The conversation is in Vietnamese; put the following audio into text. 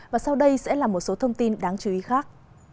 và sau đây sẽ là một số thông tin đáng chú ý khác